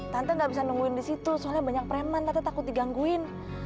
tante gak bisa nemuin di situ soalnya banyak preman tante takut digangguin